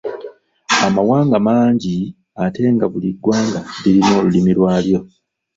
Amawanga mangi ate nga buli ggwanga lirina olulimi lwalyo